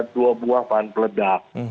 dua buah bahan peledak